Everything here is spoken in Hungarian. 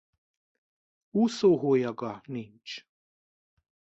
Úszóhólyaga nincs.